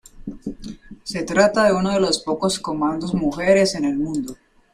Se trata de uno de los pocos comandos mujeres en el mundo.